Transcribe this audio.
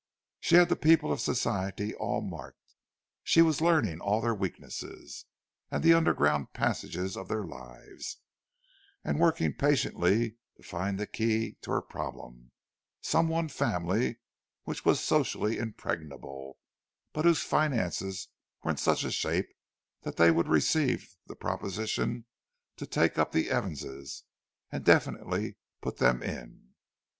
She had the people of Society all marked—she was learning all their weaknesses, and the underground passages of their lives, and working patiently to find the key to her problem—some one family which was socially impregnable, but whose finances were in such a shape that they would receive the proposition to take up the Evanses, and definitely put them in.